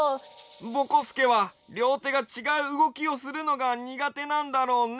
ぼこすけはりょうてがちがううごきをするのがにがてなんだろうね。